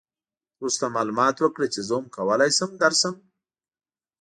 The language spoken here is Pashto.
وروسته معلومات وکړه چې زه هم کولای شم درشم.